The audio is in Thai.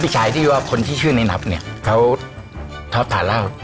ชายที่ว่าคนที่ชื่อในนับเนี่ยเขาเท้าตาเล่า